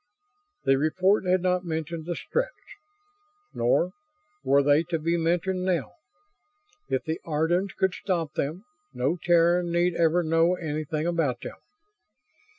The report had not mentioned the Stretts. Nor were they to be mentioned now. If the Ardans could stop them, no Terran need ever know anything about them.